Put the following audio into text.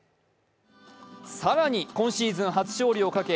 更に、今シーズン初勝利を受け